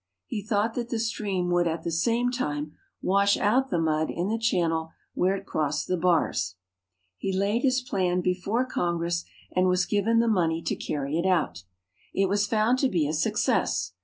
He thought that the stream would at the same time wash out the mud in the channel where it crossed the bars. He laid his plan before Congress, and THE MISSISSIPPI JETTIES. I37 was given the money to carry it out. It was found to be a success.